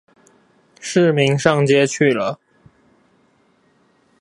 市民上街去了